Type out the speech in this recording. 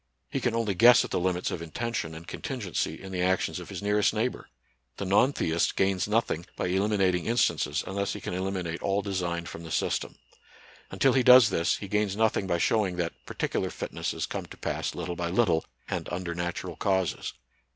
He can only guess at the limits of intention and contingency in the actions of his nearest neighbor. The non theist gains nothing by eliminating instances, unless he can eliminate all design from the system. 88 NATURAL SCIENCE AND RELIGION. Until he does this, he gains nothing by showing that particular fitnesses come to pass little by little, and under natural causes.